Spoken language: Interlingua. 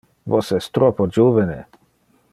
Vos es troppo juvene.